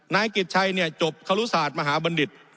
นายกิจชัยเนี่ยจบครุศาสตร์มหาบัณฑิต